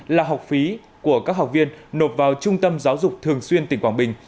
là học phí của các học viên nộp vào trung tâm giáo dục thường xuyên tỉnh quảng bình